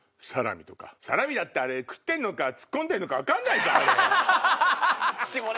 サラミだって食ってんのか突っ込んでんのか分かんないぞあれ！